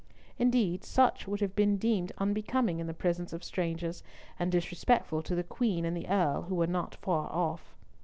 Indeed, such would have been deemed unbecoming in the presence of strangers, and disrespectful to the Queen and the Earl, who were not far off.